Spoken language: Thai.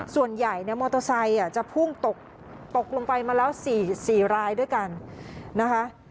ส่วนใหญ่เนี่ยมอเตอร์ไซค์จะพุ่งตกลงไปมาแล้ว๔รายด้วยกันนะคะ